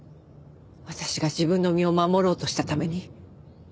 私が自分の身を守ろうとしたために。